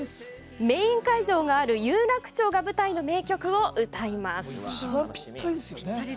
メイン会場がある有楽町が舞台の名曲を歌います